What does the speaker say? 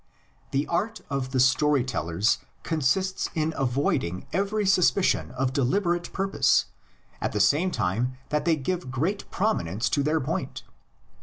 The art of the story tellers consists in avoiding every suspicion of deliberate purpose at the same time that they give great prominence to their point.